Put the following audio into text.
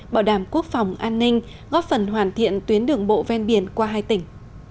bảo đảm quốc phòng an ninh góp phần hoàn thiện tuyến đường bộ ven biển qua hai tỉnh